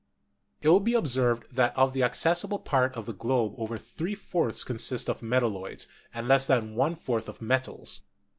It will be observed that of the accessible part of the globe over three fourths consist of metalloids and less than one fourth of metals.